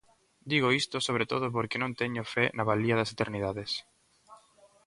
Digo isto, sobre todo, porque non teño fe na valía das eternidades.